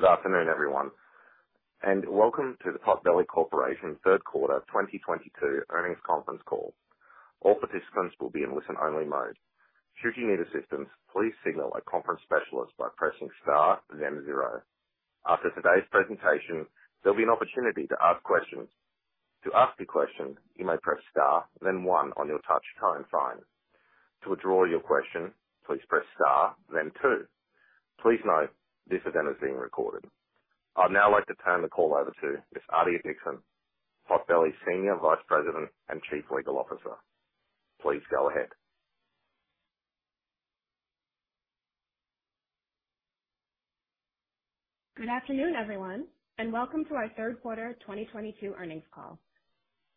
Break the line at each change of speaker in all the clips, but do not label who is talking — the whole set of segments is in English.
Good afternoon, everyone, and welcome to the Potbelly Corporation Q3 2022 Earnings Conference Call. All participants will be in listen-only mode. Should you need assistance, please signal a conference specialist by pressing star then zero. After today's presentation, there'll be an opportunity to ask questions. To ask a question, you may press star then one on your touchtone phone. To withdraw your question, please press star then two. Please note this event is being recorded. I'd now like to turn the call over to Ms. Adiya Dixon, Potbelly's Senior Vice President and Chief Legal Officer. Please go ahead.
Good afternoon, everyone, and welcome to our Q3 2022 Earnings Call.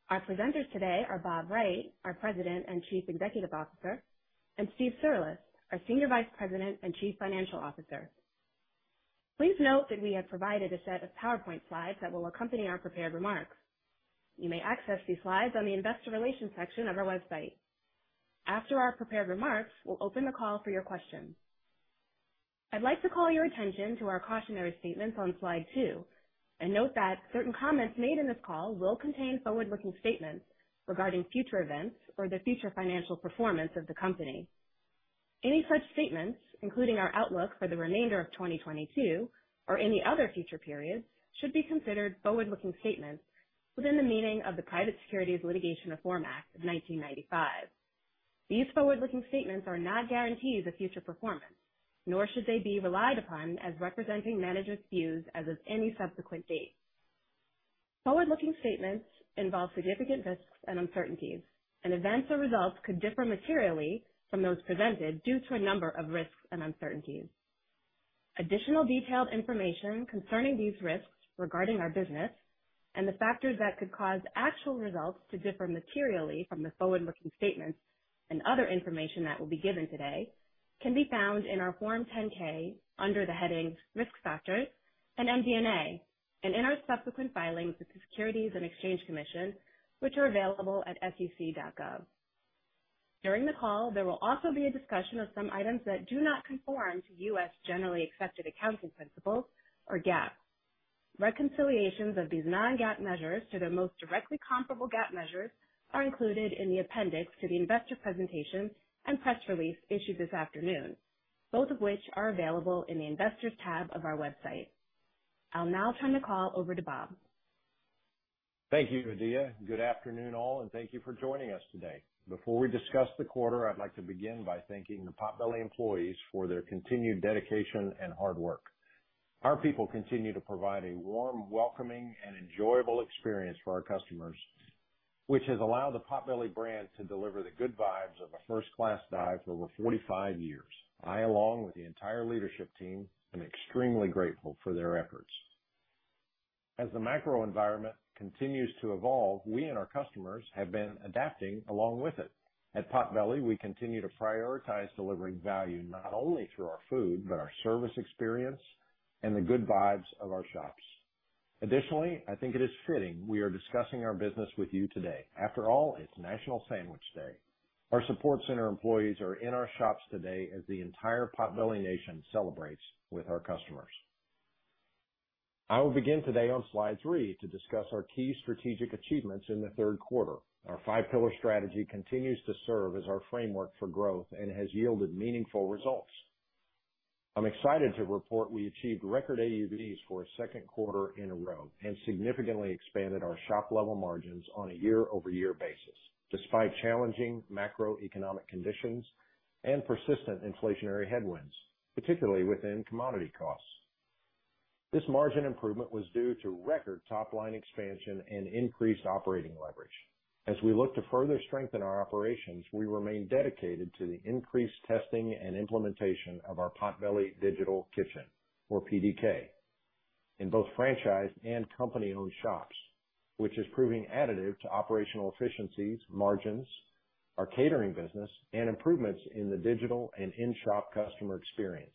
Our presenters today are Bob Wright, our President and Chief Executive Officer, and Steve Cirulis, our Senior Vice President and Chief Financial Officer. Please note that we have provided a set of PowerPoint slides that will accompany our prepared remarks. You may access these slides on the investor relations section of our website. After our prepared remarks, we'll open the call for your questions. I'd like to call your attention to our cautionary statements on slide two and note that certain comments made in this call will contain forward-looking statements regarding future events or the future financial performance of the company. Any such statements, including our outlook for the remainder of 2022 or any other future periods, should be considered forward-looking statements within the meaning of the Private Securities Litigation Reform Act of 1995. These forward-looking statements are not guarantees of future performance, nor should they be relied upon as representing management's views as of any subsequent date. Forward-looking statements involve significant risks and uncertainties, and events or results could differ materially from those presented due to a number of risks and uncertainties. Additional detailed information concerning these risks regarding our business and the factors that could cause actual results to differ materially from the forward-looking statements and other information that will be given today can be found in our Form 10-K under the headings Risk Factors and MD&A, and in our subsequent filings with the Securities and Exchange Commission, which are available at SEC.gov. During the call, there will also be a discussion of some items that do not conform to U.S. generally accepted accounting principles, or GAAP. Reconciliations of these non-GAAP measures to their most directly comparable GAAP measures are included in the appendix to the investor presentation and press release issued this afternoon, both of which are available in the Investors tab of our website. I'll now turn the call over to Bob Wright.
Thank you, Adiya. Good afternoon, all, and thank you for joining us today. Before we discuss the quarter, I'd like to begin by thanking the Potbelly employees for their continued dedication and hard work. Our people continue to provide a warm, welcoming, and enjoyable experience for our customers, which has allowed the Potbelly brand to deliver the good vibes of a first-class dive for over 45 years. I, along with the entire leadership team, am extremely grateful for their efforts. As the macro environment continues to evolve, we and our customers have been adapting along with it. At Potbelly, we continue to prioritize delivering value, not only through our food, but our service experience and the good vibes of our shops. Additionally, I think it is fitting we are discussing our business with you today. After all, it's National Sandwich Day. Our support center employees are in our shops today as the entire Potbelly nation celebrates with our customers. I will begin today on slide three to discuss our key strategic achievements in the Q3. Our five pillar strategy continues to serve as our framework for growth and has yielded meaningful results. I'm excited to report we achieved record AUVs for a Q2 in a row and significantly expanded our shop level margins on a year-over-year basis, despite challenging macroeconomic conditions and persistent inflationary headwinds, particularly within commodity costs. This margin improvement was due to record top line expansion and increased operating leverage. As we look to further strengthen our operations, we remain dedicated to the increased testing and implementation of our Potbelly Digital Kitchen, or PDK, in both franchise and company-owned shops, which is proving additive to operational efficiencies, margins, our catering business, and improvements in the digital and in-shop customer experience.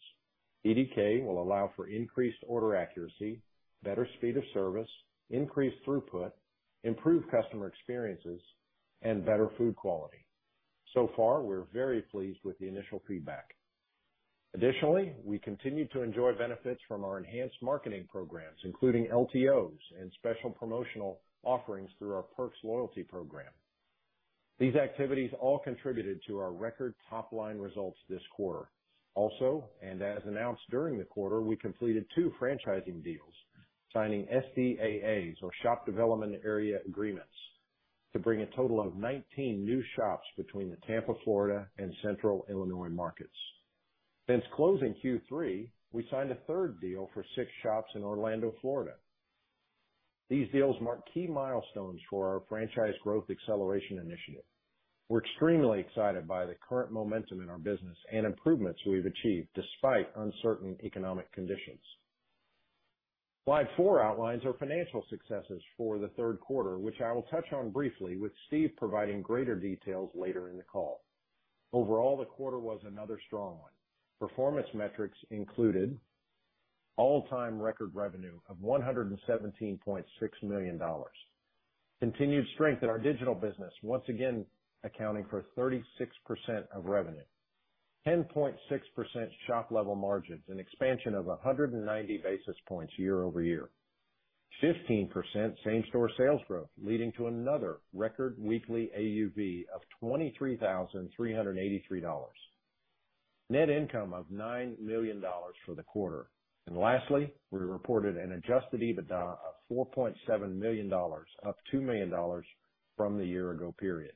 PDK will allow for increased order accuracy, better speed of service, increased throughput, improved customer experiences, and better food quality. So far, we're very pleased with the initial feedback. Additionally, we continue to enjoy benefits from our enhanced marketing programs, including LTOs and special promotional offerings through our Perks loyalty program. These activities all contributed to our record top-line results this quarter. Also, and as announced during the quarter, we completed 2 franchising deals, signing SDAAs, or Shop Development Area Agreements, to bring a total of 19 new shops between the Tampa, Florida, and Central Illinois markets. Since closing Q3, we signed a third deal for 6 shops in Orlando, Florida. These deals mark key milestones for our franchise growth acceleration initiative. We're extremely excited by the current momentum in our business and improvements we've achieved despite uncertain economic conditions. Slide four outlines our financial successes for the Q3, which I will touch on briefly with Steve providing greater details later in the call. Overall, the quarter was another strong one. Performance metrics included all-time record revenue of $117.6 million. Continued strength in our digital business, once again accounting for 36% of revenue. 10.6% shop level margins, an expansion of 190 basis points year-over-year. 15% same-store sales growth, leading to another record weekly AUV of $23,383. Net income of $9 million for the quarter. Lastly, we reported an adjusted EBITDA of $4.7 million, up $2 million from the year ago period.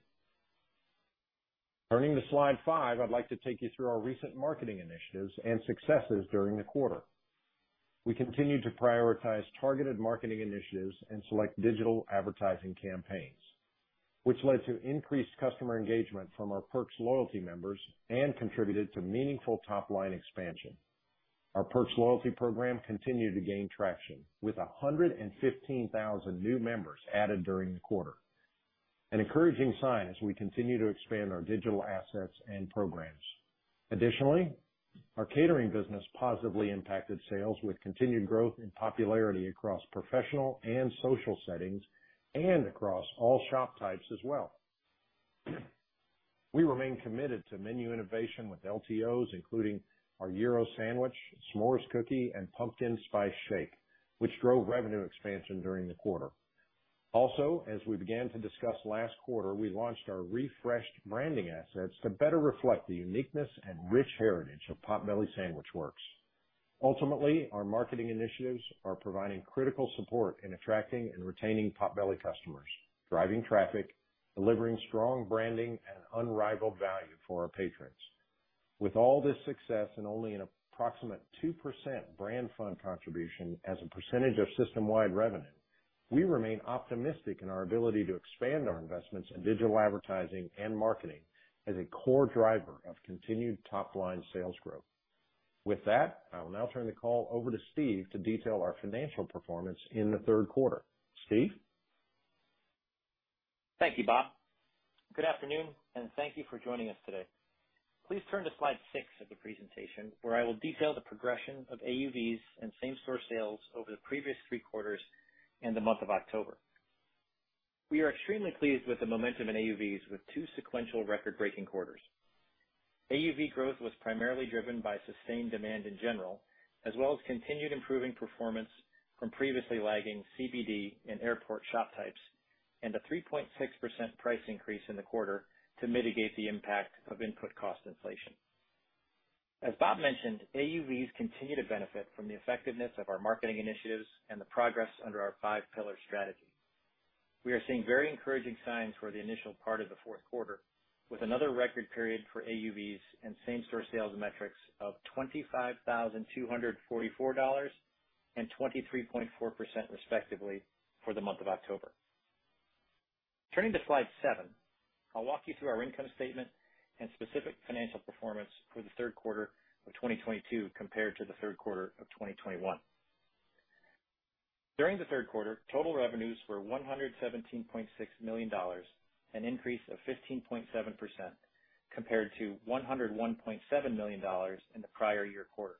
Turning to slide five, I'd like to take you through our recent marketing initiatives and successes during the quarter. We continued to prioritize targeted marketing initiatives and select digital advertising campaigns, which led to increased customer engagement from our Perks loyalty members and contributed to meaningful top-line expansion. Our Perks loyalty program continued to gain traction with 115,000 new members added during the quarter, an encouraging sign as we continue to expand our digital assets and programs. Additionally, our catering business positively impacted sales with continued growth in popularity across professional and social settings and across all shop types as well. We remain committed to menu innovation with LTOs, including our Cubano sandwich, S'mores Cookie, and Pumpkin Spice Shake, which drove revenue expansion during the quarter. Also, as we began to discuss last quarter, we launched our refreshed branding assets to better reflect the uniqueness and rich heritage of Potbelly Sandwich Works. Ultimately, our marketing initiatives are providing critical support in attracting and retaining Potbelly customers, driving traffic, delivering strong branding and unrivaled value for our patrons. With all this success and only an approximate 2% brand fund contribution as a percentage of system-wide revenue, we remain optimistic in our ability to expand our investments in digital advertising and marketing as a core driver of continued top-line sales growth. With that, I will now turn the call over to Steve to detail our financial performance in the Q3. Steve?
Thank you, Bob. Good afternoon, and thank you for joining us today. Please turn to slide six of the presentation, where I will detail the progression of AUVs and same-store sales over the previous three quarters in the month of October. We are extremely pleased with the momentum in AUVs with two sequential record-breaking quarters. AUV growth was primarily driven by sustained demand in general, as well as continued improving performance from previously lagging CBD and airport shop types, and a 3.6% price increase in the quarter to mitigate the impact of input cost inflation. As Bob mentioned, AUVs continue to benefit from the effectiveness of our marketing initiatives and the progress under our five pillar strategy. We are seeing very encouraging signs for the initial part of the Q4, with another record period for AUVs and same-store sales metrics of $25,244 and 23.4% respectively for the month of October. Turning to slide seven, I'll walk you through our income statement and specific financial performance for the Q3 of 2022 compared to the Q3 of 2021. During the Q3, total revenues were $117.6 million, an increase of 15.7% compared to $101.7 million in the prior year quarter.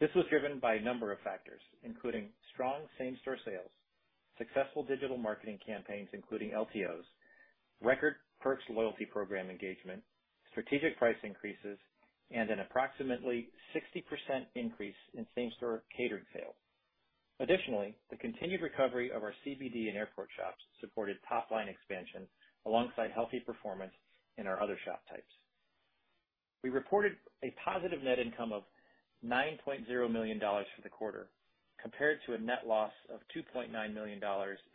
This was driven by a number of factors, including strong same-store sales, successful digital marketing campaigns, including LTOs, record Perks loyalty program engagement, strategic price increases, and an approximately 60% increase in same-store catered sales. Additionally, the continued recovery of our CBD and airport shops supported top line expansion alongside healthy performance in our other shop types. We reported a positive net income of $9.0 million for the quarter, compared to a net loss of $2.9 million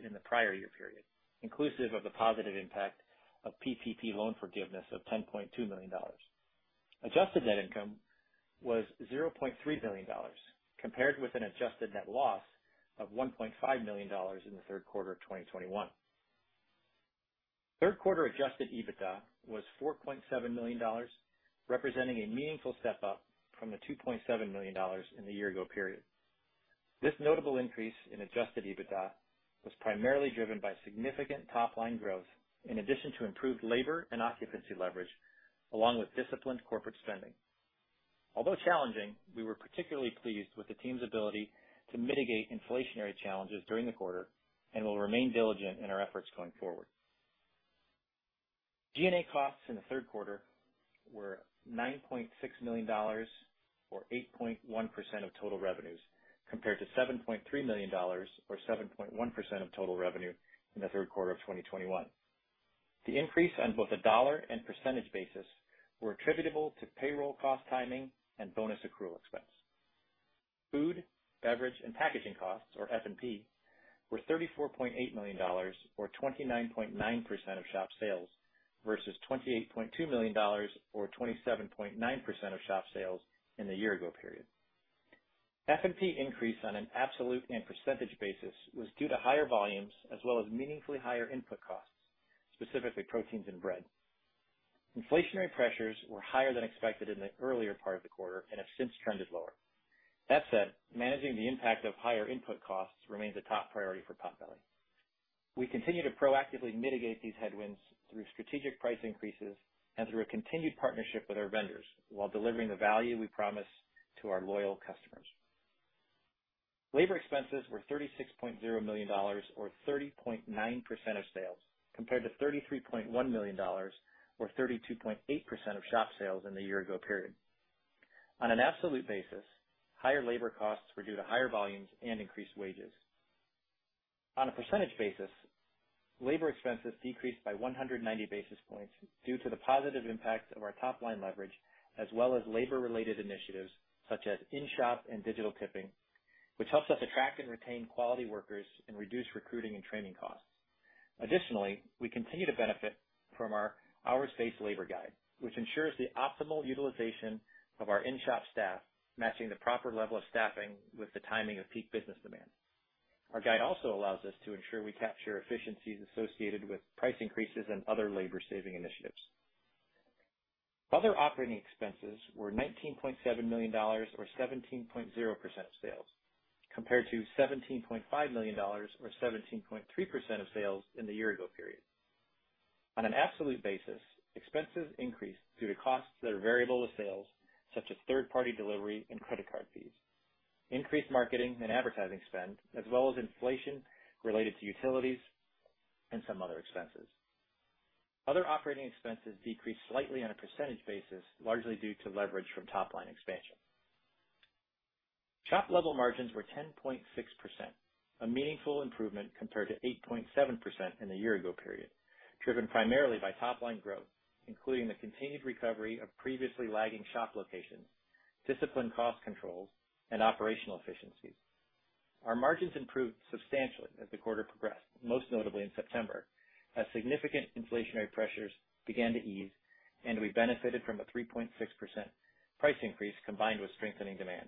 in the prior year period, inclusive of the positive impact of PPP loan forgiveness of $10.2 million. Adjusted net income was $0.3 million, compared with an adjusted net loss of $1.5 million in the Q3 of 2021. Q3 adjusted EBITDA was $4.7 million, representing a meaningful step up from the $2.7 million in the year ago period. This notable increase in adjusted EBITDA was primarily driven by significant top line growth in addition to improved labor and occupancy leverage, along with disciplined corporate spending. Although challenging, we were particularly pleased with the team's ability to mitigate inflationary challenges during the quarter and will remain diligent in our efforts going forward. G&A costs in the Q3 were $9.6 million or 8.1% of total revenues, compared to $7.3 million or 7.1% of total revenue in the Q3 of 2021. The increase on both a dollar and percentage basis were attributable to payroll cost timing and bonus accrual expense. Food, beverage, and packaging costs, or F&P, were $34.8 million or 29.9% of shop sales versus $28.2 million or 27.9% of shop sales in the year ago period. F&P increase on an absolute and percentage basis was due to higher volumes as well as meaningfully higher input costs, specifically proteins and bread. Inflationary pressures were higher than expected in the earlier part of the quarter and have since trended lower. That said, managing the impact of higher input costs remains a top priority for Potbelly. We continue to proactively mitigate these headwinds through strategic price increases and through a continued partnership with our vendors while delivering the value we promise to our loyal customers. Labor expenses were $36.0 million or 30.9% of sales, compared to $33.1 million or 32.8% of shop sales in the year ago period. On an absolute basis, higher labor costs were due to higher volumes and increased wages. On a percentage basis, labor expenses decreased by 190 basis points due to the positive impact of our top line leverage, as well as labor related initiatives such as in-shop and digital tipping, which helps us attract and retain quality workers and reduce recruiting and training costs. Additionally, we continue to benefit from our hours based labor guide, which ensures the optimal utilization of our in-shop staff, matching the proper level of staffing with the timing of peak business demand. Our guide also allows us to ensure we capture efficiencies associated with price increases and other labor saving initiatives. Other operating expenses were $19.7 million or 17.0% of sales, compared to $17.5 million or 17.3% of sales in the year ago period. On an absolute basis, expenses increased due to costs that are variable to sales, such as third party delivery and credit card fees, increased marketing and advertising spend, as well as inflation related to utilities and some other expenses. Other operating expenses decreased slightly on a percentage basis, largely due to leverage from top line expansion. Shop level margins were 10.6%, a meaningful improvement compared to 8.7% in the year ago period, driven primarily by top line growth, including the continued recovery of previously lagging shop locations, disciplined cost controls and operational efficiencies. Our margins improved substantially as the quarter progressed, most notably in September, as significant inflationary pressures began to ease and we benefited from a 3.6% price increase combined with strengthening demand.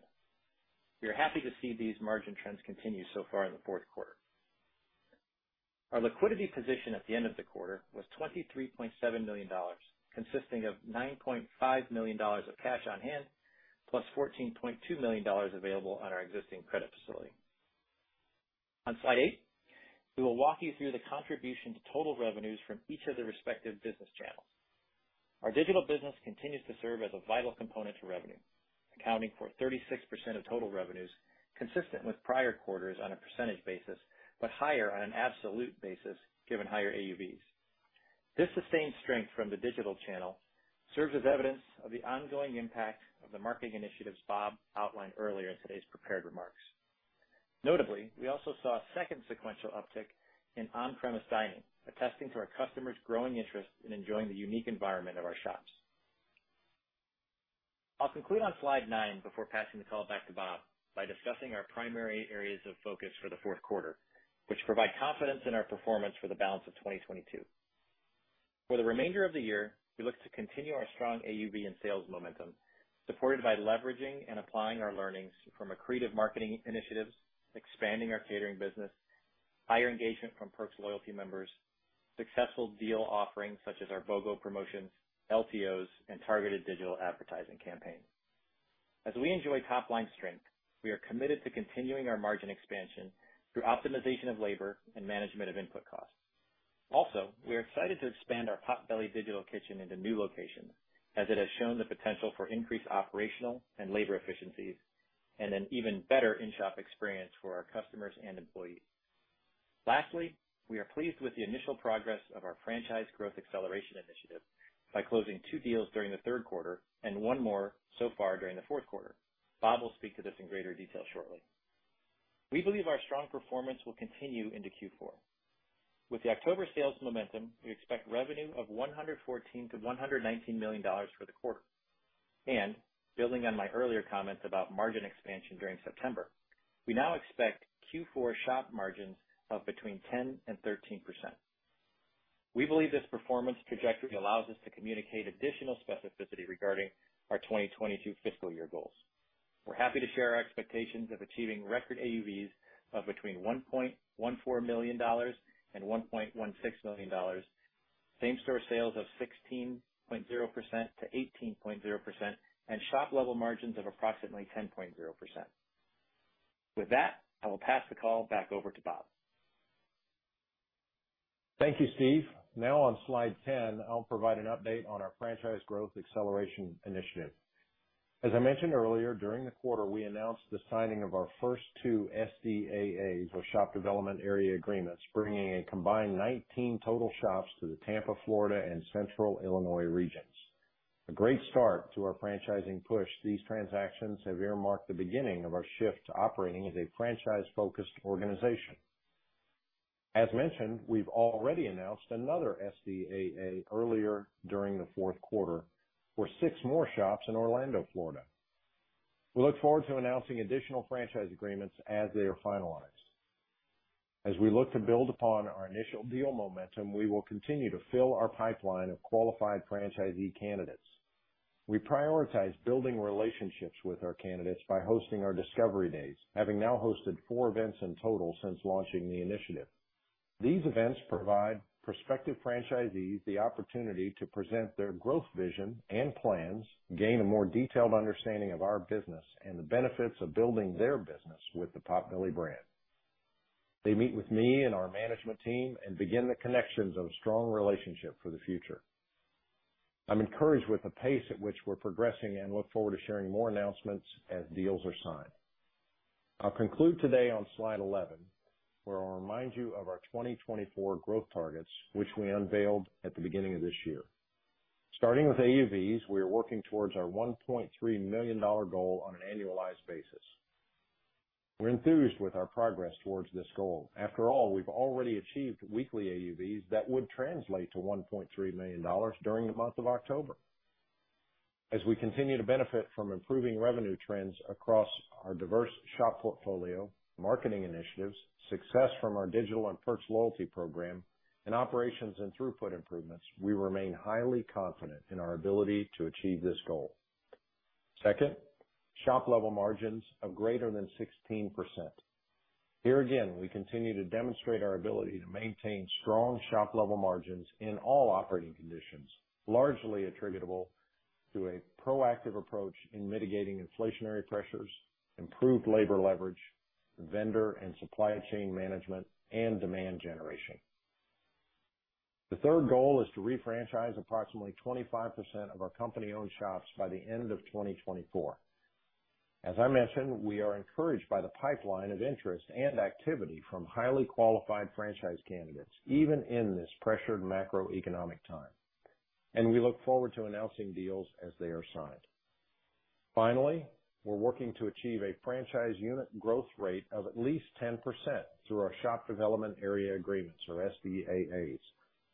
We are happy to see these margin trends continue so far in the Q4. Our liquidity position at the end of the quarter was $23.7 million, consisting of $9.5 million of cash on hand, plus $14.2 million available on our existing credit facility. On slide eight, we will walk you through the contribution to total revenues from each of the respective business channels. Our digital business continues to serve as a vital component to revenue, accounting for 36% of total revenues, consistent with prior quarters on a percentage basis, but higher on an absolute basis given higher AUVs. This sustained strength from the digital channel serves as evidence of the ongoing impact of the marketing initiatives Bob outlined earlier in today's prepared remarks. Notably, we also saw a second sequential uptick in on-premise dining, attesting to our customers' growing interest in enjoying the unique environment of our shops. I'll conclude on slide nine before passing the call back to Bob by discussing our primary areas of focus for the Q4, which provide confidence in our performance for the balance of 2022. For the remainder of the year, we look to continue our strong AUV and sales momentum, supported by leveraging and applying our learnings from accretive marketing initiatives, expanding our catering business, higher engagement from Perks loyalty members, successful deal offerings such as our BOGO promotions, LTOs, and targeted digital advertising campaigns. As we enjoy top line strength, we are committed to continuing our margin expansion through optimization of labor and management of input costs. Also, we are excited to expand our Potbelly Digital Kitchen into new locations as it has shown the potential for increased operational and labor efficiencies and an even better in-shop experience for our customers and employees. Lastly, we are pleased with the initial progress of our franchise growth acceleration initiative by closing two deals during the Q3 and one more so far during the Q4. Bob will speak to this in greater detail shortly. We believe our strong performance will continue into Q4. With the October sales momentum, we expect revenue of $114 million-$119 million for the quarter. Building on my earlier comments about margin expansion during September, we now expect Q4 shop margins of between 10% and 13%. We believe this performance trajectory allows us to communicate additional specificity regarding our 2022 fiscal year goals. We're happy to share our expectations of achieving record AUVs of between $1.14 million and $1.16 million, same-store sales of 16.0%-18.0%, and shop-level margins of approximately 10.0%. With that, I will pass the call back over to Bob.
Thank you, Steve. Now on slide 10, I'll provide an update on our franchise growth acceleration initiative. As I mentioned earlier, during the quarter, we announced the signing of our first 2 SDAAs, or Shop Development Area Agreements, bringing a combined 19 total shops to the Tampa, Florida and Central Illinois regions. A great start to our franchising push, these transactions have earmarked the beginning of our shift to operating as a franchise-focused organization. As mentioned, we've already announced another SDAA earlier during the Q4 for 6 more shops in Orlando, Florida. We look forward to announcing additional franchise agreements as they are finalized. As we look to build upon our initial deal momentum, we will continue to fill our pipeline of qualified franchisee candidates. We prioritize building relationships with our candidates by hosting our Discovery Days, having now hosted 4 events in total since launching the initiative. These events provide prospective franchisees the opportunity to present their growth vision and plans, gain a more detailed understanding of our business, and the benefits of building their business with the Potbelly brand. They meet with me and our management team and begin the connections of a strong relationship for the future. I'm encouraged with the pace at which we're progressing and look forward to sharing more announcements as deals are signed. I'll conclude today on slide 11, where I'll remind you of our 2024 growth targets, which we unveiled at the beginning of this year. Starting with AUVs, we are working towards our $1.3 million goal on an annualized basis. We're enthused with our progress towards this goal. After all, we've already achieved weekly AUVs that would translate to $1.3 million during the month of October. As we continue to benefit from improving revenue trends across our diverse shop portfolio, marketing initiatives, success from our digital and Perks loyalty program, and operations and throughput improvements, we remain highly confident in our ability to achieve this goal. Second, shop level margins of greater than 16%. Here again, we continue to demonstrate our ability to maintain strong shop level margins in all operating conditions, largely attributable to a proactive approach in mitigating inflationary pressures, improved labor leverage, vendor and supply chain management, and demand generation. The third goal is to refranchise approximately 25% of our company-owned shops by the end of 2024. As I mentioned, we are encouraged by the pipeline of interest and activity from highly qualified franchise candidates, even in this pressured macroeconomic time, and we look forward to announcing deals as they are signed. Finally, we're working to achieve a franchise unit growth rate of at least 10% through our Shop Development Area Agreements, or SDAAs,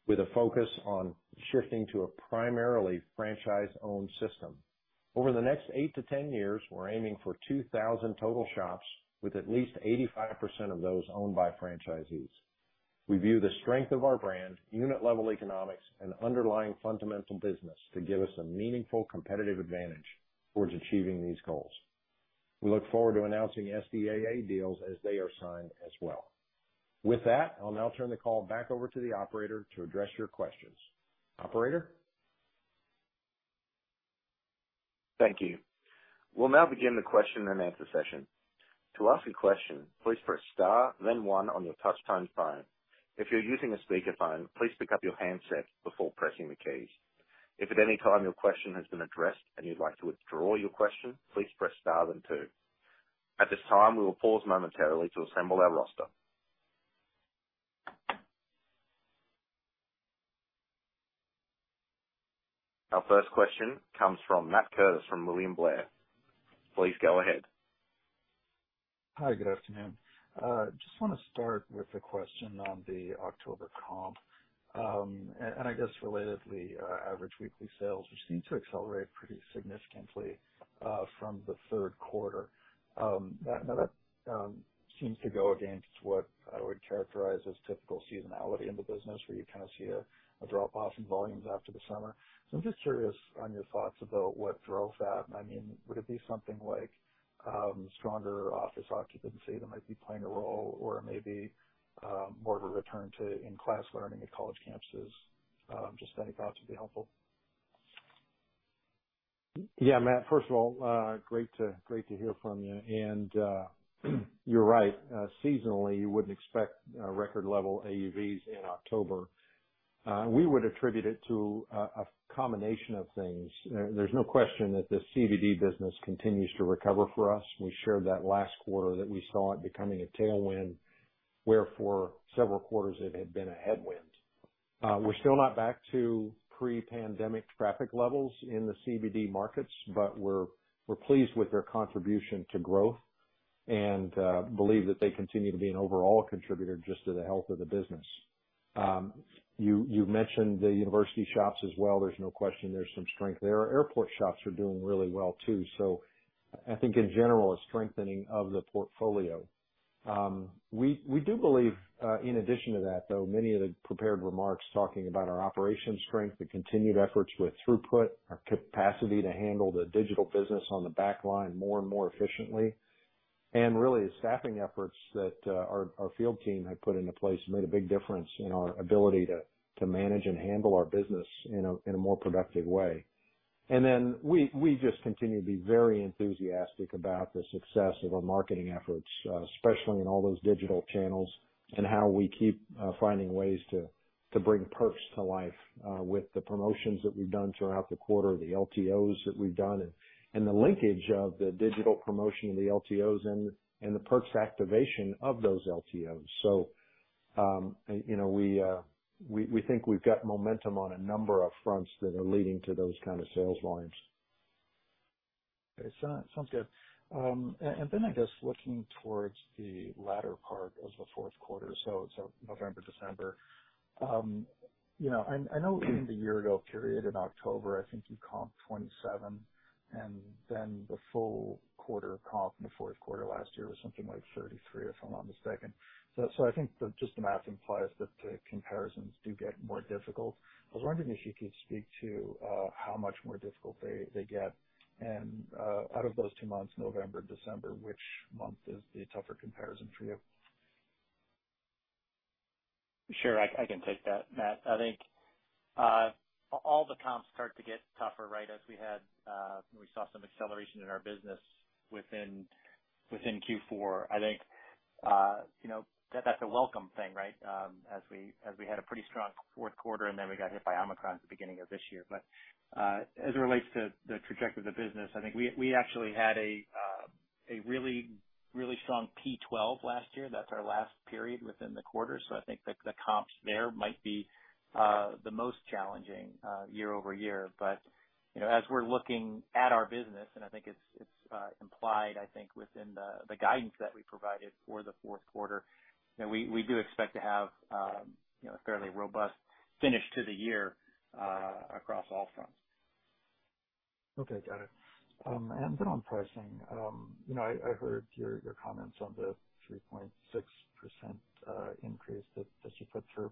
with a focus on shifting to a primarily franchise-owned system. Over the next 8-10 years, we're aiming for 2,000 total shops with at least 85% of those owned by franchisees. We view the strength of our brand, unit level economics and underlying fundamental business to give us a meaningful competitive advantage towards achieving these goals. We look forward to announcing SDAA deals as they are signed as well. With that, I'll now turn the call back over to the operator to address your questions. Operator?
Thank you. We'll now begin the question and answer session. To ask a question, please press star then one on your touchtone phone. If you're using a speakerphone, please pick up your handset before pressing the keys. If at any time your question has been addressed and you'd like to withdraw your question, please press star then two. At this time, we will pause momentarily to assemble our roster. Our first question comes from Matt Curtis from William Blair. Please go ahead.
Hi. Good afternoon. Just wanna start with a question on the October comp, and I guess relatedly, average weekly sales, which seemed to accelerate pretty significantly, from the Q3. That seems to go against what I would characterize as typical seasonality in the business where you kind of see a drop-off in volumes after the summer. I'm just curious on your thoughts about what drove that. I mean, would it be something like, stronger office occupancy that might be playing a role or maybe, more of a return to in-class learning at college campuses? Just any thoughts would be helpful.
Yeah. Matt, first of all, great to hear from you. You're right. Seasonally, you wouldn't expect record level AUVs in October. We would attribute it to a combination of things. There's no question that the CBD business continues to recover for us. We shared that last quarter that we saw it becoming a tailwind, where for several quarters it had been a headwind. We're still not back to pre-pandemic traffic levels in the CBD markets, but we're pleased with their contribution to growth and believe that they continue to be an overall contributor just to the health of the business. You mentioned the university shops as well. There's no question there's some strength there. Our airport shops are doing really well too, so I think in general, a strengthening of the portfolio. We do believe, in addition to that, though, many of the prepared remarks talking about our operations strength, the continued efforts with throughput, our capacity to handle the digital business on the back line more and more efficiently, and really the staffing efforts that our field team have put into place made a big difference in our ability to manage and handle our business in a more productive way. Then we just continue to be very enthusiastic about the success of our marketing efforts, especially in all those digital channels and how we keep finding ways to bring Perks to life, with the promotions that we've done throughout the quarter, the LTOs that we've done and the linkage of the digital promotion and the LTOs and the Perks activation of those LTOs. You know, we think we've got momentum on a number of fronts that are leading to those kind of sales volumes.
Sounds good. I guess looking towards the latter part of the Q4, November, December, you know, I know in the year ago period in October, I think you comped 27% and then the full quarter comp in the Q4 last year was something like 33% if I'm not mistaken. I think just the math implies that the comparisons do get more difficult. I was wondering if you could speak to how much more difficult they get and out of those two months, November, December, which month is the tougher comparison for you?
Sure, I can take that, Matt. I think all the comps start to get tougher, right? We saw some acceleration in our business within Q4. I think you know, that's a welcome thing, right? As we had a pretty strong Q4 and then we got hit by Omicron at the beginning of this year. As it relates to the trajectory of the business, I think we actually had a really strong P12 last year. That's our last period within the quarter. I think the comps there might be the most challenging year-over-year. You know, as we're looking at our business, and I think it's implied, I think, within the guidance that we provided for the Q4, you know, we do expect to have, you know, a fairly robust finish to the year, across all fronts.
Okay. Got it. On pricing, you know, I heard your comments on the 3.6% increase that you put through.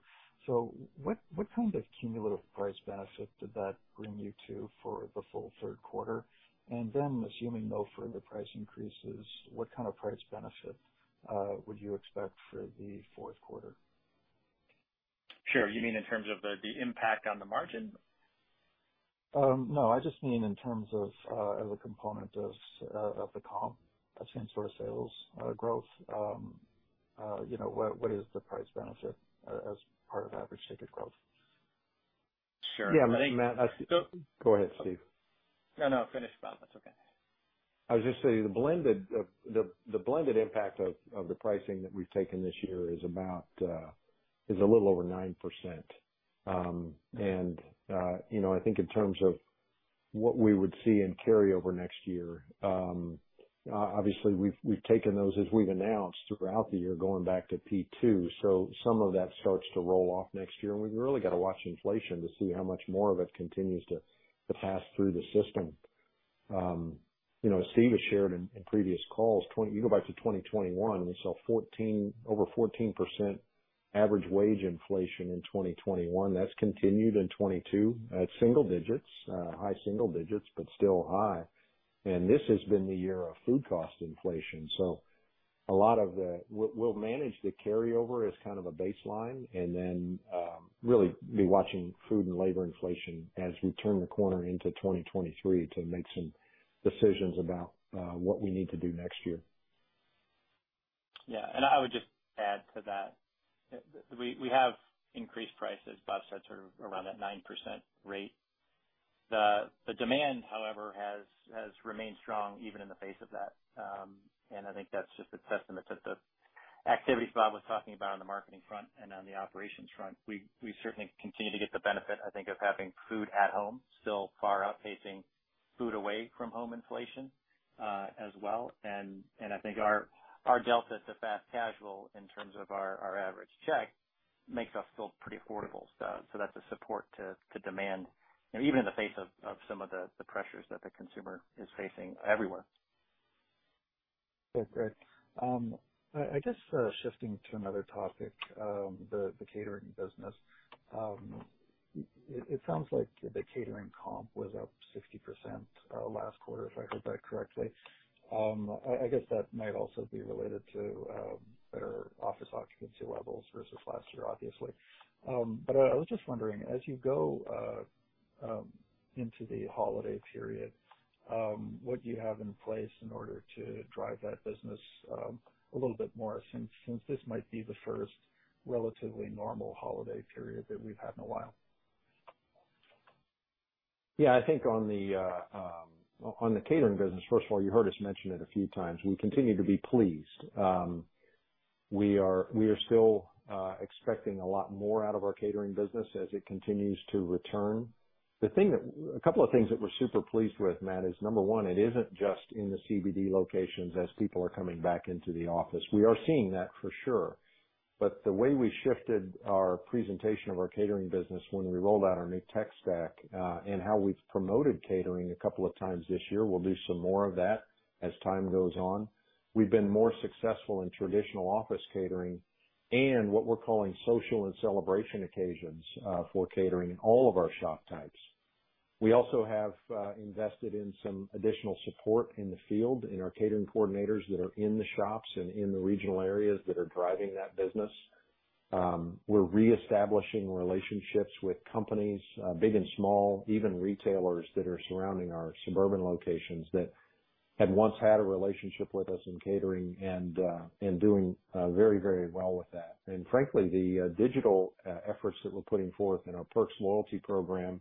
What kind of cumulative price benefit did that bring you to for the full Q3? Assuming no further price increases, what kind of price benefit would you expect for the Q4?
Sure. You mean in terms of the impact on the margin?
No, I just mean in terms of, as a component of the comp, same store sales, growth. You know, what is the price benefit as part of average ticket growth?
Sure.
Yeah, Matt-
I think-
Go ahead, Steve.
No, no. Finish, Bob. That's okay.
I was just saying the blended impact of the pricing that we've taken this year is a little over 9%. I think in terms of what we would see in carryover next year, obviously we've taken those as we've announced throughout the year, going back to P2. Some of that starts to roll off next year, and we've really got to watch inflation to see how much more of it continues to pass through the system. Steve Cirulis has shared in previous calls. You go back to 2021, we saw over 14% average wage inflation in 2021. That's continued in 2022 at single digits, high single digits, but still high. This has been the year of food cost inflation. We'll manage the carryover as kind of a baseline and then really be watching food and labor inflation as we turn the corner into 2023 to make some decisions about what we need to do next year.
Yeah. I would just add to that, we have increased prices, Bob said, sort of around that 9% rate. The demand, however, has remained strong even in the face of that. I think that's just a testament to the activities Bob was talking about on the marketing front and on the operations front. We certainly continue to get the benefit, I think, of having food at home still far outpacing food away from home inflation, as well. I think our delta to fast casual in terms of our average check makes us still pretty affordable. That's a support to demand even in the face of some of the pressures that the consumer is facing everywhere.
Okay, great. I guess shifting to another topic, the catering business. It sounds like the catering comp was up 60%, last quarter, if I heard that correctly. I guess that might also be related to better office occupancy levels versus last year, obviously. I was just wondering, as you go into the holiday period, what do you have in place in order to drive that business a little bit more since this might be the first relatively normal holiday period that we've had in a while?
Yeah, I think on the catering business, first of all, you heard us mention it a few times. We continue to be pleased. We are still expecting a lot more out of our catering business as it continues to return. A couple of things that we're super pleased with, Matt, is number one, it isn't just in the CBD locations as people are coming back into the office. We are seeing that for sure. The way we shifted our presentation of our catering business when we rolled out our new tech stack, and how we've promoted catering a couple of times this year, we'll do some more of that as time goes on. We've been more successful in traditional office catering and what we're calling social and celebration occasions, for catering in all of our shop types. We also have, invested in some additional support in the field, in our catering coordinators that are in the shops and in the regional areas that are driving that business. We're reestablishing relationships with companies, big and small, even retailers that are surrounding our suburban locations that had once had a relationship with us in catering and doing, very, very well with that. Frankly, the digital efforts that we're putting forth in our Potbelly Perks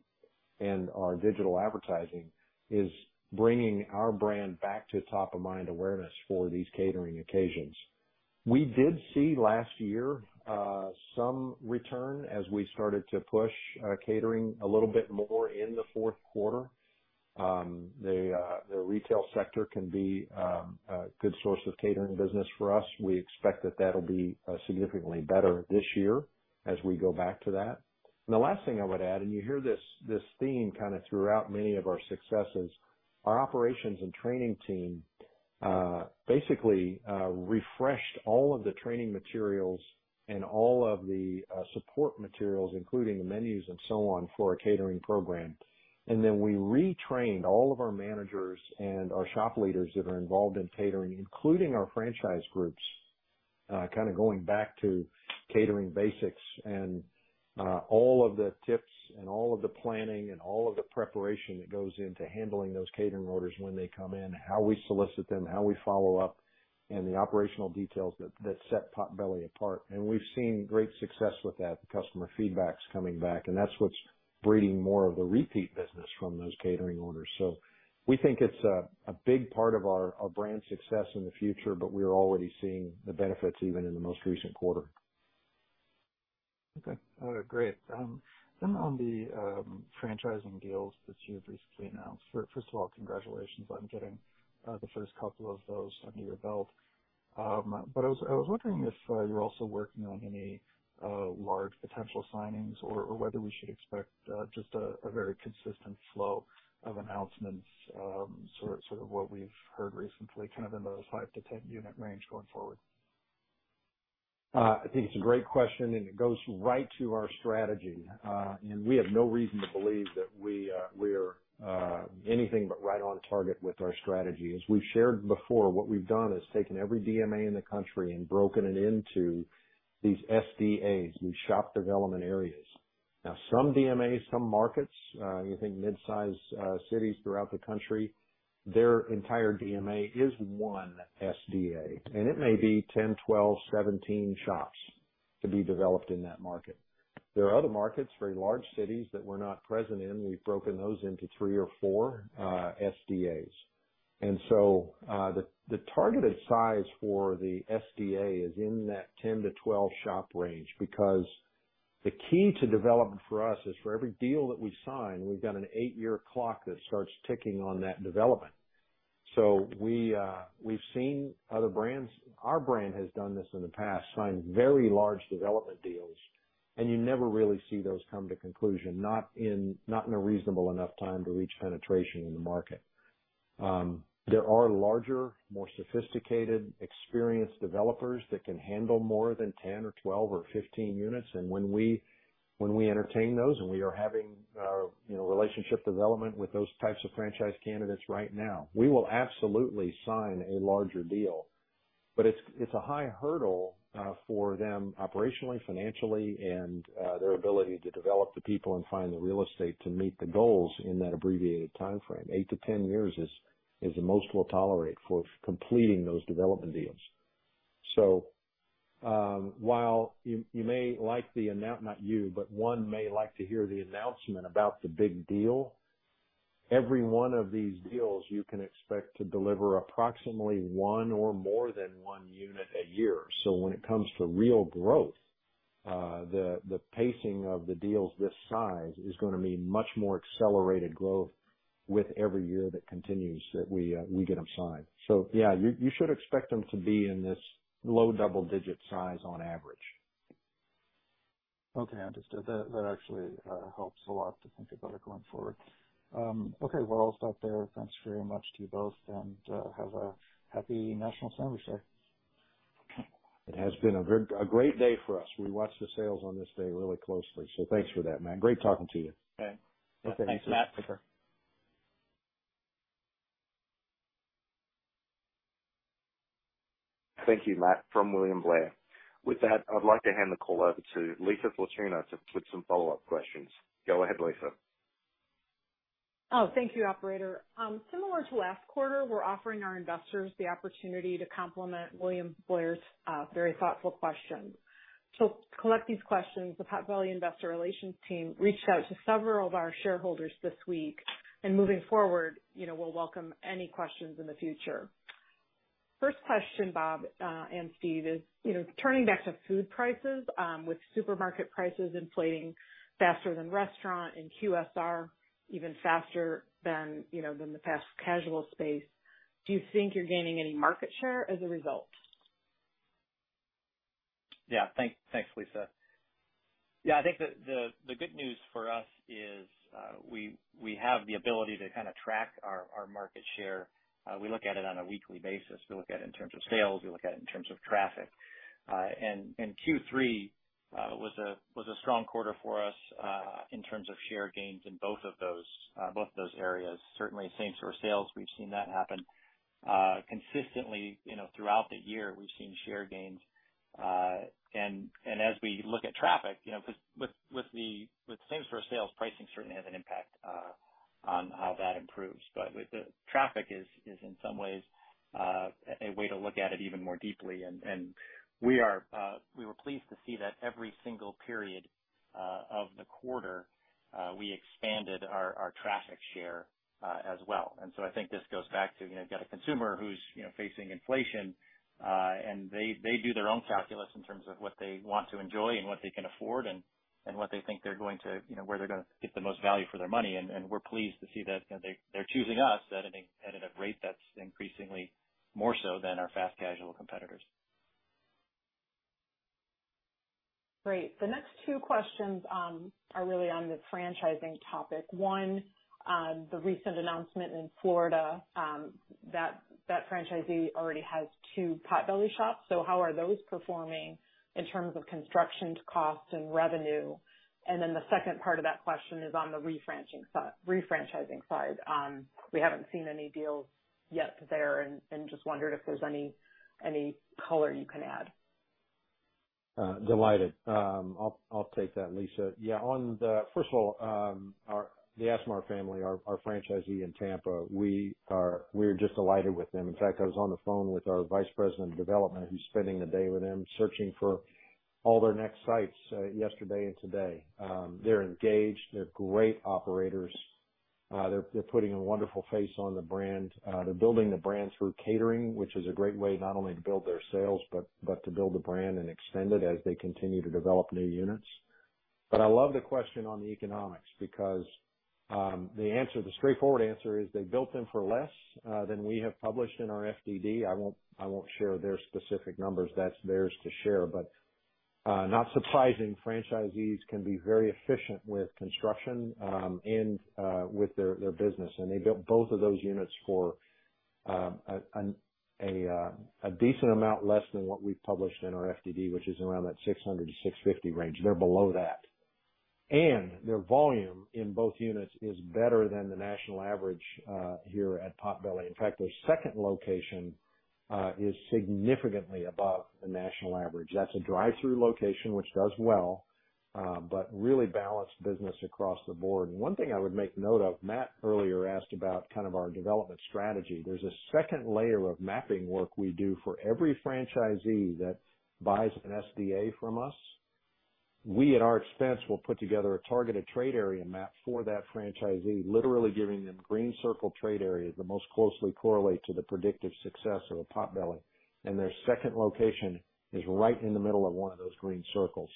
and our digital advertising is bringing our brand back to top of mind awareness for these catering occasions. We did see last year some return as we started to push catering a little bit more in the Q4. The retail sector can be a good source of catering business for us. We expect that that'll be significantly better this year as we go back to that. The last thing I would add, and you hear this theme kind of throughout many of our successes, our operations and training team basically refreshed all of the training materials and all of the support materials, including the menus and so on, for our catering program. We retrained all of our managers and our shop leaders that are involved in catering, including our franchise groups. We kind of went back to catering basics and all of the tips and all of the planning and all of the preparation that goes into handling those catering orders when they come in, how we solicit them, how we follow up, and the operational details that set Potbelly apart. We've seen great success with that. The customer feedback's coming back, and that's what's breeding more of the repeat business from those catering orders. We think it's a big part of our brand success in the future, but we're already seeing the benefits even in the most recent quarter.
Okay. Great. On the franchising deals that you've recently announced, first of all, congratulations on getting the first couple of those under your belt. But I was wondering if you're also working on any large potential signings or whether we should expect just a very consistent flow of announcements, sort of what we've heard recently, kind of in the 5-10 unit range going forward.
I think it's a great question, and it goes right to our strategy. We have no reason to believe that we are anything but right on target with our strategy. As we've shared before, what we've done is taken every DMA in the country and broken it into these SDAs, these shop development areas. Now, some DMAs, some markets, you think mid-size cities throughout the country, their entire DMA is one SDA, and it may be 10, 12, 17 shops to be developed in that market. There are other markets, very large cities that we're not present in. We've broken those into 3 or 4 SDAs. The targeted size for the SDA is in that 10-12 shop range because the key to development for us is for every deal that we sign, we've got an 8-year clock that starts ticking on that development. We’ve seen other brands, our brand has done this in the past, sign very large development deals, and you never really see those come to conclusion, not in a reasonable enough time to reach penetration in the market. There are larger, more sophisticated, experienced developers that can handle more than 10 or 12 or 15 units, and when we entertain those, and we are having, you know, relationship development with those types of franchise candidates right now. We will absolutely sign a larger deal, but it's a high hurdle for them operationally, financially, and their ability to develop the people and find the real estate to meet the goals in that abbreviated timeframe. 8-10 years is the most we'll tolerate for completing those development deals. While you may like the announcement, not you, but one may like to hear the announcement about the big deal, every one of these deals you can expect to deliver approximately one or more than one unit a year. When it comes to real growth, the pacing of the deals this size is gonna mean much more accelerated growth with every year that continues that we get them signed. Yeah, you should expect them to be in this low double-digit size on average.
Okay. Understood. That actually helps a lot to think about it going forward. Okay, we're all set there. Thanks very much to you both and have a happy National Sandwich Day.
It has been a great day for us. We watch the sales on this day really closely, so thanks for that, Matt. Great talking to you.
Okay.
Okay. Thanks. Thanks, Matt.
Thank you, Matt, from William Blair. With that, I'd like to hand the call over to Lisa Falcigno with some follow-up questions. Go ahead, Lisa.
Oh, thank you, operator. Similar to last quarter, we're offering our investors the opportunity to complement William Blair's very thoughtful questions. To collect these questions, the Potbelly investor relations team reached out to several of our shareholders this week, and moving forward, you know, we'll welcome any questions in the future. First question, Bob and Steve, is, you know, turning back to food prices, with supermarket prices inflating faster than restaurant and QSR even faster than, you know, than the fast casual space, do you think you're gaining any market share as a result?
Yeah. Thanks, Lisa. Yeah, I think the good news for us is we have the ability to kinda track our market share. We look at it on a weekly basis. We look at it in terms of sales. We look at it in terms of traffic. Q3 was a strong quarter for us in terms of share gains in both of those areas. Certainly, same-store sales, we've seen that happen consistently, you know, throughout the year, we've seen share gains. As we look at traffic, you know, with same-store sales, pricing certainly has an impact on how that improves. With the traffic is in some ways a way to look at it even more deeply. We were pleased to see that every single period of the quarter we expanded our traffic share as well. I think this goes back to, you know, you got a consumer who's, you know, facing inflation, and they do their own calculus in terms of what they want to enjoy and what they can afford and what they think they're going to, you know, where they're gonna get the most value for their money. We're pleased to see that, you know, they're choosing us at a rate that's increasingly more so than our fast casual competitors.
Great. The next two questions are really on the franchising topic. One, the recent announcement in Florida, that franchisee already has two Potbelly shops, so how are those performing? In terms of construction cost and revenue. The second part of that question is on the refranchising side. We haven't seen any deals yet there and just wondered if there's any color you can add.
Delighted. I'll take that, Lisa. Yeah, First of all, the Asmar family, our franchisee in Tampa, we're just delighted with them. In fact, I was on the phone with our Vice President of Development, who's spending the day with them, searching for all their next sites, yesterday and today. They're engaged. They're great operators. They're putting a wonderful face on the brand. They're building the brand through catering, which is a great way not only to build their sales, but to build the brand and extend it as they continue to develop new units. I love the question on the economics because the answer, the straightforward answer is they built them for less than we have published in our FDD. I won't share their specific numbers. That's theirs to share. Not surprising, franchisees can be very efficient with construction and with their business. They built both of those units for a decent amount less than what we've published in our FDD, which is around that $600-$650 range. They're below that. Their volume in both units is better than the national average here at Potbelly. In fact, their second location is significantly above the national average. That's a drive-thru location, which does well, but really balanced business across the board. One thing I would make note of, Matt earlier asked about kind of our development strategy. There's a second layer of mapping work we do for every franchisee that buys an SDA from us. We, at our expense, will put together a targeted trade area map for that franchisee, literally giving them green circle trade areas that most closely correlate to the predictive success of a Potbelly. Their second location is right in the middle of one of those green circles.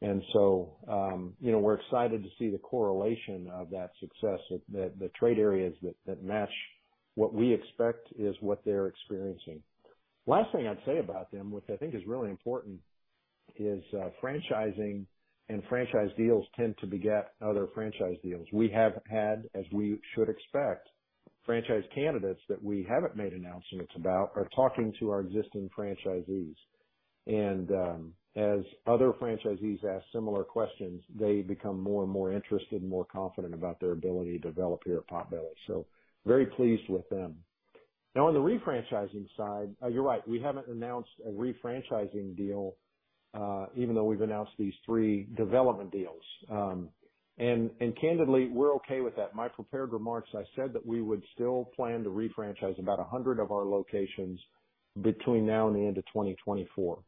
You know, we're excited to see the correlation of that success, that the trade areas that match what we expect is what they're experiencing. Last thing I'd say about them, which I think is really important, is franchising and franchise deals tend to beget other franchise deals. We have had, as we should expect, franchise candidates that we haven't made announcements about are talking to our existing franchisees. As other franchisees ask similar questions, they become more and more interested and more confident about their ability to develop here at Potbelly. Very pleased with them. Now, on the refranchising side, you're right, we haven't announced a refranchising deal, even though we've announced these three development deals. Candidly, we're okay with that. In my prepared remarks, I said that we would still plan to refranchise about 100 of our locations between now and the end of 2024.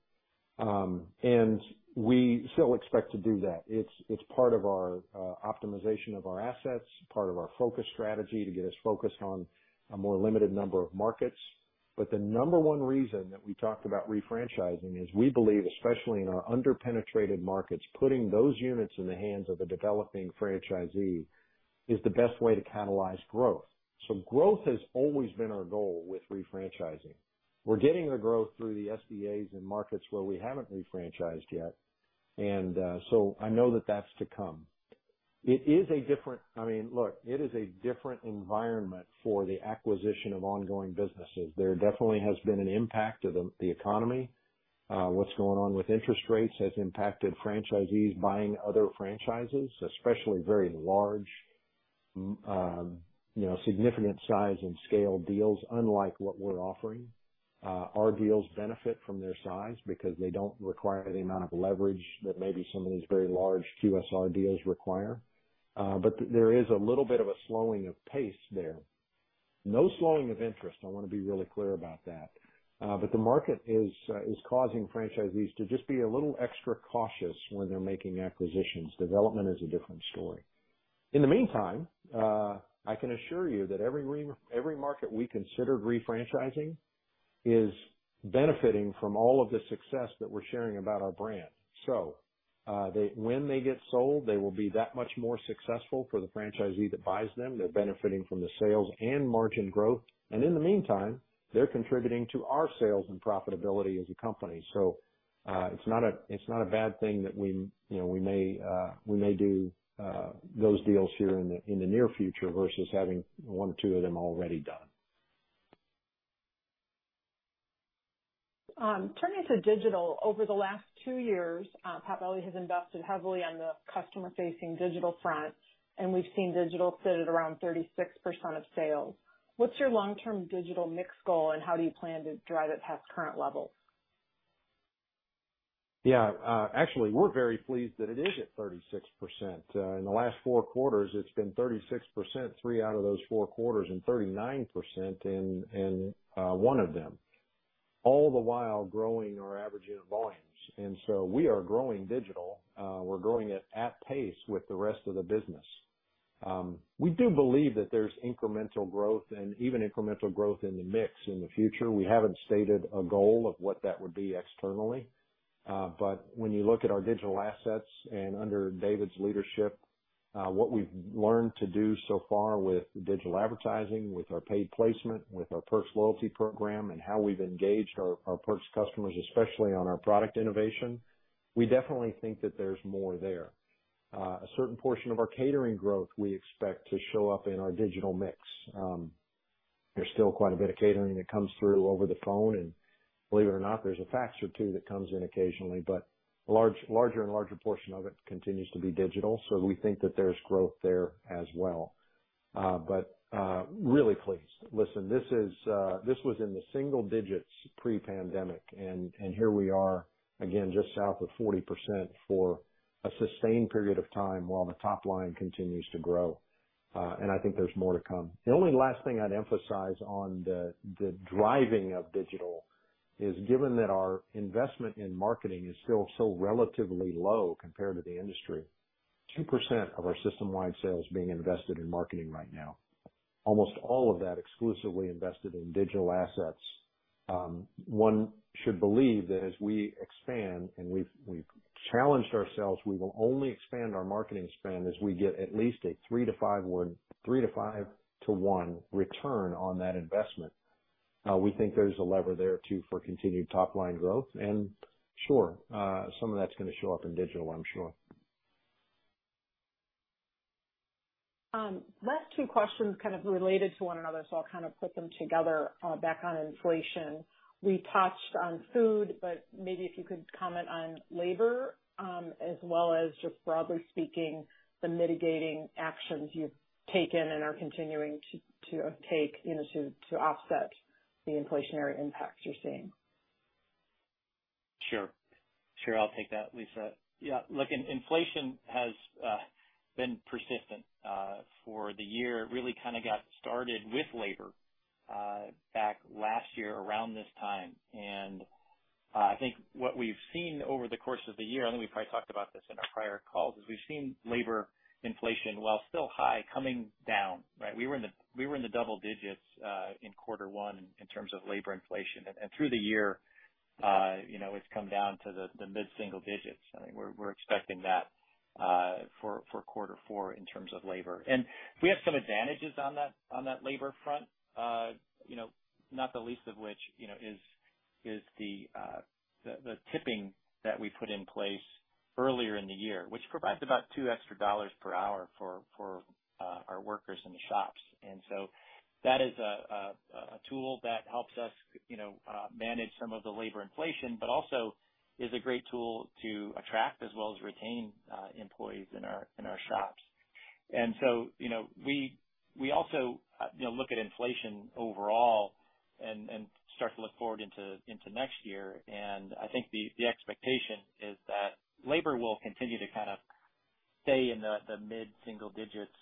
We still expect to do that. It's part of our optimization of our assets, part of our focus strategy to get us focused on a more limited number of markets. But the number one reason that we talked about refranchising is we believe, especially in our under-penetrated markets, putting those units in the hands of the developing franchisee is the best way to catalyze growth. Growth has always been our goal with refranchising. We're getting the growth through the SBAs in markets where we haven't refranchised yet. I know that that's to come. I mean, look, it is a different environment for the acquisition of ongoing businesses. There definitely has been an impact to the economy. What's going on with interest rates has impacted franchisees buying other franchises, especially very large, you know, significant size and scale deals, unlike what we're offering. Our deals benefit from their size because they don't require the amount of leverage that maybe some of these very large QSR deals require. There is a little bit of a slowing of pace there. No slowing of interest, I wanna be really clear about that. The market is causing franchisees to just be a little extra cautious when they're making acquisitions. Development is a different story. In the meantime, I can assure you that every market we consider refranchising is benefiting from all of the success that we're sharing about our brand. When they get sold, they will be that much more successful for the franchisee that buys them. They're benefiting from the sales and margin growth, and in the meantime, they're contributing to our sales and profitability as a company. It's not a bad thing that we, you know, we may do those deals here in the near future versus having one or two of them already done.
Turning to digital, over the last two years, Potbelly has invested heavily on the customer-facing digital front, and we've seen digital sit at around 36% of sales. What's your long-term digital mix goal, and how do you plan to drive it past current levels?
Yeah. Actually, we're very pleased that it is at 36%. In the last 4 quarters, it's been 36%, three out of those 4 quarters, and 39% in one of them, all the while growing our average unit volumes. We are growing digital. We're growing it at pace with the rest of the business. We do believe that there's incremental growth and even incremental growth in the mix in the future. We haven't stated a goal of what that would be externally. When you look at our digital assets and under David's leadership, what we've learned to do so far with digital advertising, with our paid placement, with our Perks loyalty program and how we've engaged our Perks customers, especially on our product innovation, we definitely think that there's more there. A certain portion of our catering growth we expect to show up in our digital mix. There's still quite a bit of catering that comes through over the phone. Believe it or not, there's a fax or two that comes in occasionally, but larger and larger portion of it continues to be digital. We think that there's growth there as well. Really pleased. Listen, this was in the single digits pre-pandemic, and here we are again, just south of 40% for a sustained period of time while the top line continues to grow. I think there's more to come. The only last thing I'd emphasize on the driving of digital is given that our investment in marketing is still so relatively low compared to the industry, 2% of our system-wide sales being invested in marketing right now. Almost all of that exclusively invested in digital assets. One should believe that as we expand and we've challenged ourselves, we will only expand our marketing spend as we get at least a 3-to-5-to-1 return on that investment. We think there's a lever there, too, for continued top line growth. Sure, some of that's gonna show up in digital, I'm sure.
Last two questions kind of related to one another, so I'll kind of put them together. Back on inflation. We touched on food, but maybe if you could comment on labor, as well as just broadly speaking, the mitigating actions you've taken and are continuing to take, you know, to offset the inflationary impacts you're seeing.
Sure. I'll take that, Lisa. Yeah, look, inflation has been persistent for the year. It really kind of got started with labor back last year around this time. I think what we've seen over the course of the year, I think we probably talked about this in our prior calls, is we've seen labor inflation while still high coming down, right? We were in the double digits in Q1 in terms of labor inflation. Through the year, you know, it's come down to the mid single digits. I think we're expecting that for Q4 in terms of labor. We have some advantages on that labor front. You know, not the least of which is the tipping that we put in place earlier in the year, which provides about $2 extra per hour for our workers in the shops. That is a tool that helps us, you know, manage some of the labor inflation, but also is a great tool to attract as well as retain employees in our shops. You know, we also, you know, look at inflation overall and start to look forward into next year. I think the expectation is that labor will continue to kind of stay in the mid-single digits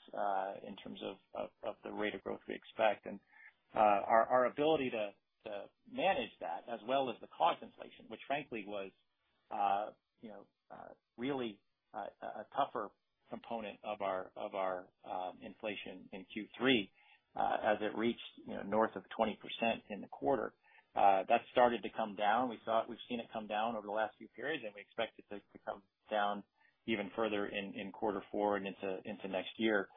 in terms of the rate of growth we expect. Our ability to manage that as well as the cost inflation, which frankly was, you know, really a tougher component of our inflation in Q3, as it reached, you know, north of 20% in the quarter. That started to come down. We saw it. We've seen it come down over the last few periods, and we expect it to come down even further in Q4 and into next year.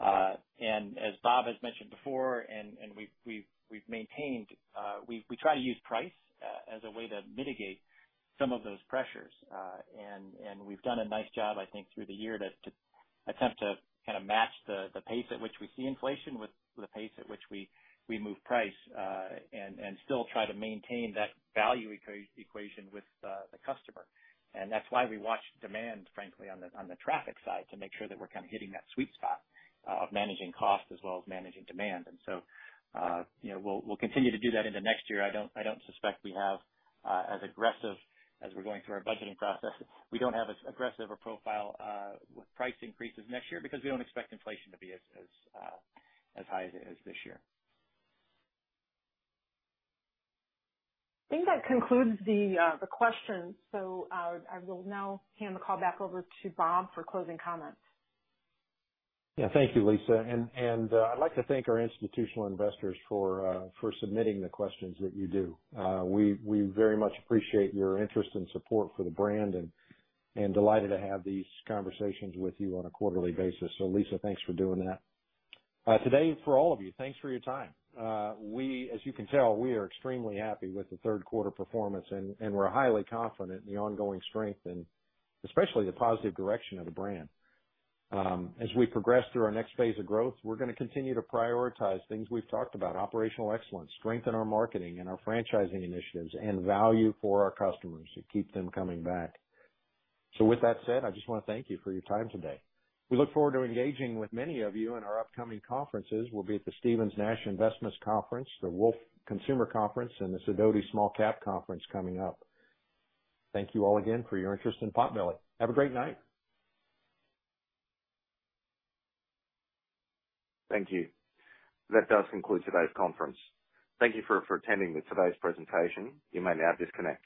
As Bob has mentioned before and we've maintained, we try to use price as a way to mitigate some of those pressures. We've done a nice job, I think, through the year to attempt to kind of match the pace at which we see inflation with the pace at which we move price, and still try to maintain that value equation with the customer. That's why we watch demand, frankly, on the traffic side, to make sure that we're kind of hitting that sweet spot of managing cost as well as managing demand. You know, we'll continue to do that into next year. I don't suspect we have as aggressive as we're going through our budgeting process. We don't have as aggressive a profile with price increases next year because we don't expect inflation to be as high as it is this year.
I think that concludes the questions. I will now hand the call back over to Bob for closing comments.
Yeah. Thank you, Lisa. I'd like to thank our institutional investors for submitting the questions that you do. We very much appreciate your interest and support for the brand and delighted to have these conversations with you on a quarterly basis. Lisa, thanks for doing that. Today, for all of you, thanks for your time. We, as you can tell, are extremely happy with the Q3 performance, and we're highly confident in the ongoing strength and especially the positive direction of the brand. As we progress through our next phase of growth, we're gonna continue to prioritize things we've talked about, operational excellence, strengthen our marketing and our franchising initiatives and value for our customers to keep them coming back. With that said, I just wanna thank you for your time today. We look forward to engaging with many of you in our upcoming conferences. We'll be at the Stephens Annual Investment Conference, the Wolfe Research Consumer Conference, and the Sidoti Small Cap Conference coming up. Thank you all again for your interest in Potbelly. Have a great night.
Thank you. That does conclude today's conference. Thank you for attending today's presentation. You may now disconnect.